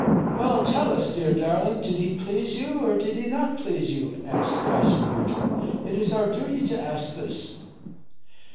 "Well, tell us, dear darling, did he please you or did he not please you?" asked Kassyan Butrym. "It is our duty to ask this."